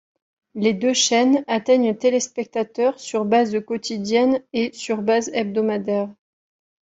Les deux chaînes atteignent téléspectateurs sur base quotidienne et sur base hebdomadaire.